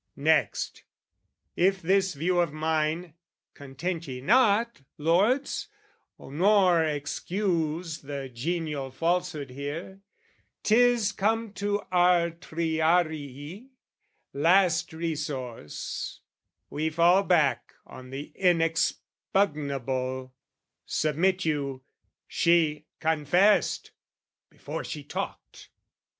Next, if this view of mine, content ye not, Lords, nor excuse the genial falsehood here, 'Tis come to our Triarii, last resource, We fall back on the inexpugnable, Submit you, she confessed before she talked!